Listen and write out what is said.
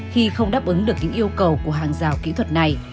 khi không đáp ứng được những yêu cầu của hàng rào kỹ thuật này